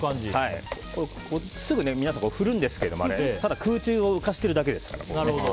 すぐ皆さん振るんですけどもただ空中に浮かせているだけです。